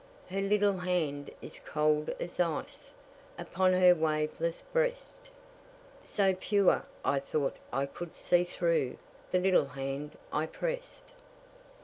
Her little hand is cold as ice, Upon her waveless breast, So pure, I thought I could see through The little hand I pressed.